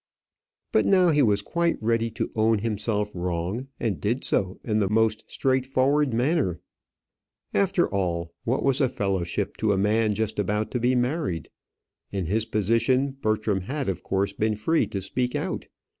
But now he was quite ready to own himself wrong, and did do so in the most straightforward manner. After all, what was a fellowship to a man just about to be married? In his position Bertram had of course been free to speak out.